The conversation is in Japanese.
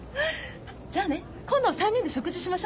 じゃあね今度３人で食事しましょう。